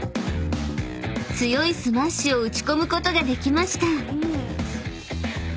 ［強いスマッシュを打ち込むことができました］